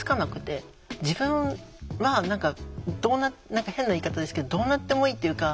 自分は何か変な言い方ですけどどうなってもいいっていうか。